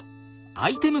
アイテム